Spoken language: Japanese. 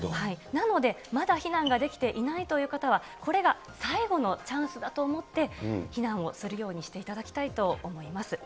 なので、まだ避難ができていないという方は、これが最後のチャンスだと思って、避難をするようにしていただきたいと思います。